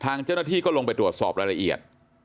ทางเจ้าหน้าที่ก็ลงไปตรวจสอบรายละเอียด